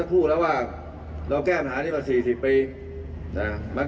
เพื่ออะไรล่ะเพื่อให้เป็นงาน